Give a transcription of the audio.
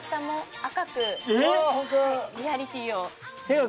リアリティーを。